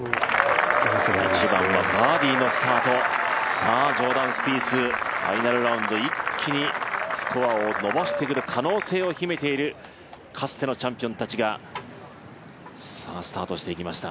さあジョーダン・スピース、ファイナルラウンド一気にスコアを伸ばす可能性を秘めているかつてのチャンピオンたちがスタートしていきました。